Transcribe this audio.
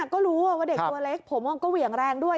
ก็รู้ว่าเด็กตัวเล็กผมก็เหวี่ยงแรงด้วย